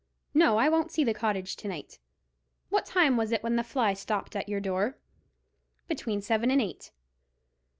"No, I won't see the cottage to night. What time was it when the fly stopped at your door?" "Between seven and eight."